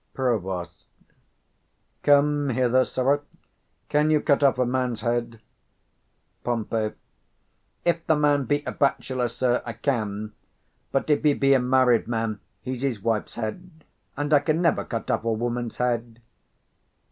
_ Prov. Come hither, sirrah. Can you cut off a man's head? Pom. If the man be a bachelor, sir, I can; but if he be a married man, he's his wife's head, and I can never cut off a woman's head.